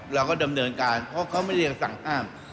เราก็ดำเนินการเพราะเขาไม่ได้สั่งห้าม